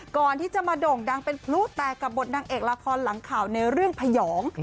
ก่อนที่จะมาโด่งดังเป็นพลุแตกกับบทนางเอกละครหลังข่าวในเรื่องพยอง